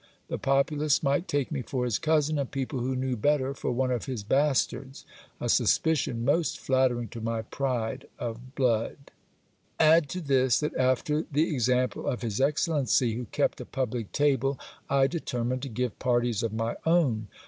The populace might take me for his cousin, and people who knew better, for one of his bastards ; a suspicion most flattering to my pride of blood. Add to this, that after the example of his excellency, who kept a public table, I determined to give parties of my own.